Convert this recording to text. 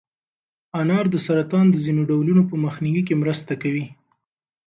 انار د سرطان د ځینو ډولونو په مخنیوي کې مرسته کوي.